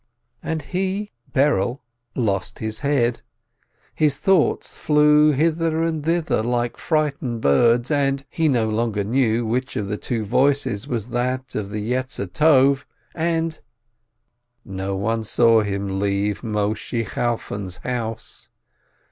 .." And he, Berel, lost his head, his thoughts flew hither and thither, like frightened birds, and — he no longer knew which of the two voices was that of the Good Inclination, and — No one saw him leave Moisheh Chalfon's house.